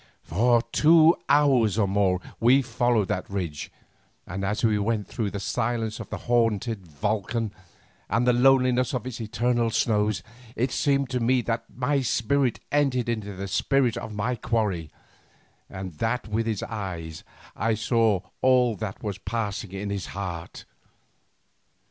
For two hours or more we followed that ridge, and as we went through the silence of the haunted volcan, and the loneliness of its eternal snows, it seemed to me that my spirit entered into the spirit of my quarry, and that with its eyes I saw all that was passing in his heart.